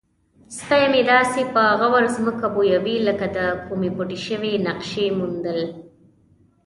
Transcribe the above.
سپی مې داسې په غور ځمکه بویوي لکه د کومې پټې شوې نقشې موندل.